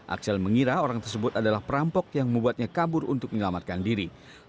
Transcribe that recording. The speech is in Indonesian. axel mengira orang tersebut adalah perampok yang membuatnya kabur untuk menyelamatkan diri